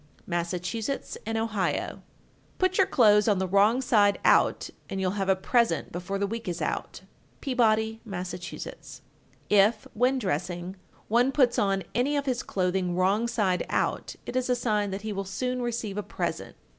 Massachusetts and Ohio. 1381. Put your clothes on the wrong side out and you'll have a present before the week is out. Peabody, Mass. 1382. If, when dressing, one puts on any of his clothing wrong side out, it is a sign that he will soon receive a present.